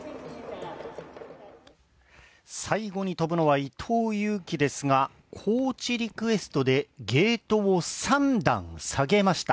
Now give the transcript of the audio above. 最後に飛ぶのは伊藤有希ですがコーチリクエストでゲートを３段下げました。